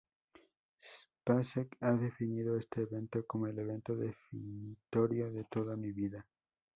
Spacek ha definido este evento como "el evento definitorio de toda mi vida".